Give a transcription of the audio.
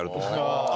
ああ。